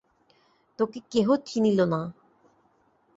তােকে কেহ চিনিল না।